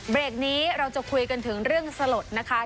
เบรกนี้เราจะคุยกันถึงเรื่องสลดนะคะ